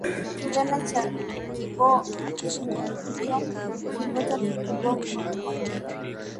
Kilele cha Kibo ndio kivutio kikubwa kwa wageni